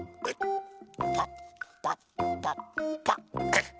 パッパッパッパッ。